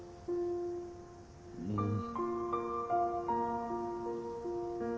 うん。